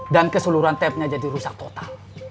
dan keseluruhan tapnya jadi rusak total